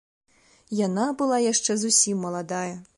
Яна была яшчэ зусім маладая.